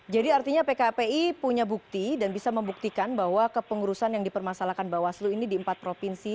jadi artinya pkpi punya bukti dan bisa membuktikan bahwa kepengurusan yang dipermasalahkan bawaslu ini di empat provinsi